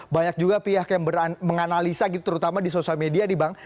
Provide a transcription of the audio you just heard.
banyak juga pihak yang menganalisa gitu terutama di sosial media nih bang